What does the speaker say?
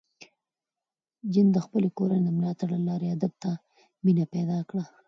جین د خپلې کورنۍ د ملاتړ له لارې ادب ته مینه پیدا کړه.